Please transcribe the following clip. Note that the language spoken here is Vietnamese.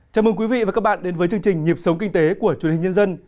chào mừng quý vị và các bạn đến với chương trình nhịp sống kinh tế của truyền hình nhân dân